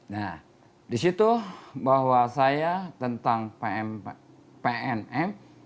nah disitu bahwa saya tentang pnm